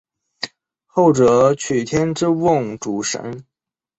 后者娶天之瓮主神。